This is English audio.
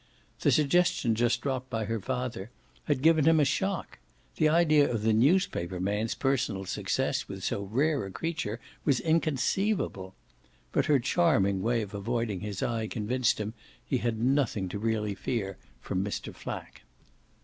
The suggestion just dropped by her father had given him a shock the idea of the newspaper man's personal success with so rare a creature was inconceivable but her charming way of avoiding his eye convinced him he had nothing to really fear from Mr. Flack.